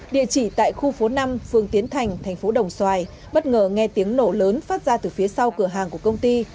địa chỉ tại khu phố năm phường tiến thành thành phố đồng xoài bất ngờ nghe tiếng nổ lớn phát ra từ phía sau cửa hàng của công ty